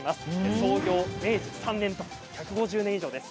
創業明治３年ということで１５０年以上です。